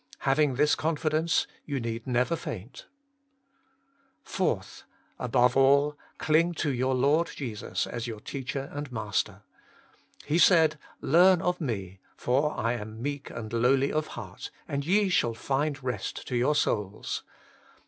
Having this confidence, you need never faint. 4. Above all, cling to your Lord Jesus as your Teacher and Master. He said :' Learn of Me, for I am meek and lowly of heart, and ye shall find rest to your souls.'